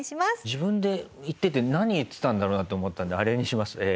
自分で言ってて何言ってたんだろうなと思ったんであれにします。